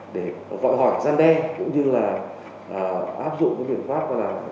để gọi hỏi gian đe cũng như là áp dụng cái biện pháp